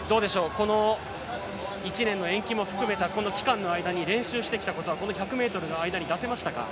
この１年の延期も含めたこの期間の間に練習してきたことはこの１００ｍの間に出せましたか？